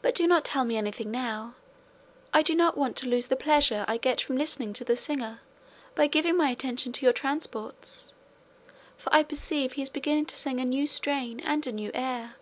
But do not tell me anything now; I do not want to lose the pleasure I get from listening to the singer by giving my attention to your transports, for I perceive he is beginning to sing a new strain and a new air."